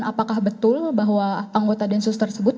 apakah betul bahwa anggota densus tersebut